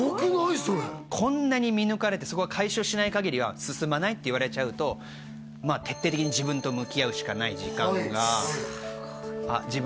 それこんなに見抜かれてそこを解消しないかぎりは進まないって言われちゃうとまあ徹底的に自分と向き合うしかない時間が自分